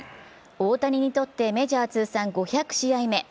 大谷にとってメジャー通算５００試合目。